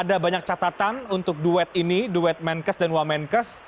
ada banyak catatan untuk duet ini duet menkes dan wamenkes